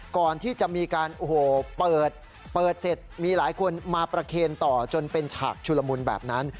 ก่อนที่จะมีการโอ้โหเปิดเสร็จมีหลายคนมาประเคนต่อจนเป็นฉากชุลมุนแบบนั้น